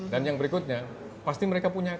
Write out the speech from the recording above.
dan yang berikutnya pasti mereka punya